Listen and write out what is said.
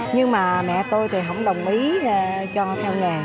nhưng mà mẹ tôi thì không đồng ý cho theo nghề